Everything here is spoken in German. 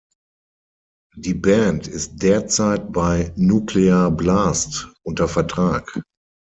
Die Band ist derzeit bei Nuclear Blast unter Vertrag.